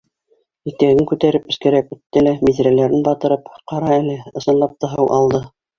Итәген күтәреп эскәрәк үтте лә, биҙрәләрен батырып, ҡара әле, ысынлап та, һыу алды.